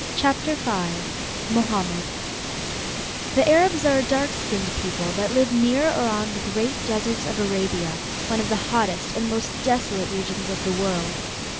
CHAPTER V MOHAMMED The Arabs are a dark skinned people that live near or on the great deserts of Arabia, one of the hottest and most desolate regions of the world.